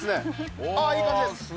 ああいい感じです！